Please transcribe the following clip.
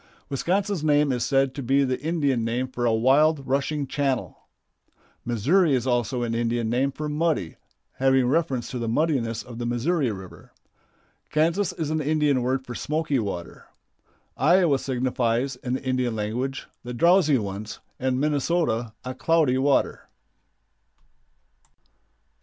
Wisconsin's name is said to be the Indian name for a wild, rushing channel. Missouri is also an Indian name for "muddy," having reference to the muddiness of the Missouri River. Kansas is an Indian word for "smoky water." Iowa signifies, in the Indian language, "the drowsy ones," and Minnesota, "a cloudy water."